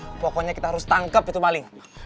waduh pokoknya kita harus tangkap itu maling